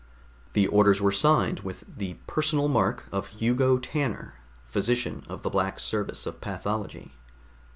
The orders were signed with the personal mark of Hugo Tanner, Physician of the Black Service of Pathology.